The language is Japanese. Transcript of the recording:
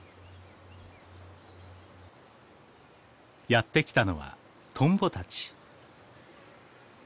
やって来たのはトンボたち。